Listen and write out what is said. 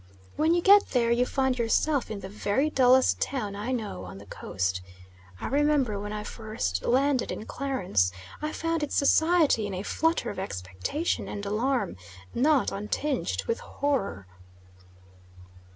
When you get there you find yourself in the very dullest town I know on the Coast. I remember when I first landed in Clarence I found its society in a flutter of expectation and alarm not untinged with horror.